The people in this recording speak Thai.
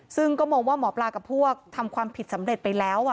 ซึ่งก็มองว่าหมอปลากับพวกทำความผิดสำเร็จไปแล้ว